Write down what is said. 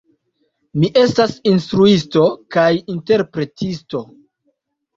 Mi estas instruisto kaj interpretisto.